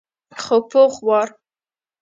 خو پوخ وار.